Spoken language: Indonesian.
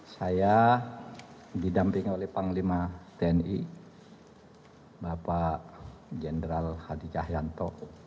saya didampingi oleh panglima tni bapak jenderal hadi cahyanto